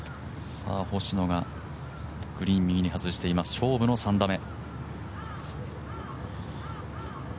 星野がグリーン右に外しています、勝負の３打目。